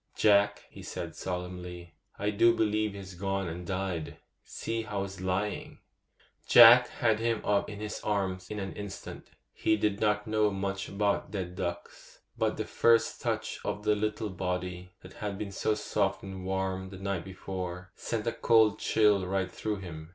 'Jack,' he said solemnly, 'I do believe he's gone and died! See how he's lying.' Jack had him up in his arms in an instant. He did not know much about dead ducks, but the first touch of the little body, that had been so soft and warm the night before, sent a cold chill right through him.